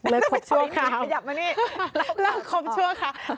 เลิกควบชั่วคร้าวเลิกควบชั่วคร้าวเอาล่ะ